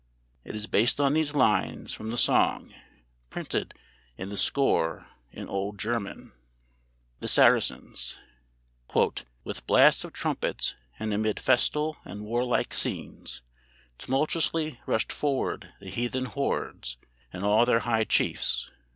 It is based on these lines from the Song (printed in the score in old German): THE SARACENS "With blasts of trumpets and amid festal and warlike scenes, tumultuously rushed forward the heathen hordes and all their high chiefs.